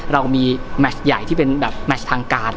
เรามีแมชใหญ่ที่เป็นแบบแมชทางการ